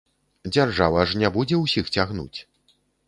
Дзяржава ж не будзе ўсіх цягнуць.